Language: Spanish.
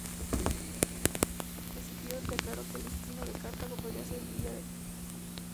Escipión declaró que el destino de Cartago podría ser un día el de Roma.